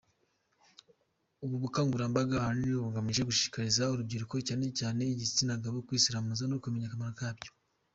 Ubu bukangurambaga ahanini bugamije gushishikariza urubyiruko cyane cyane igitsinagabo kwisiramuza no kumenya akamaro kabyo.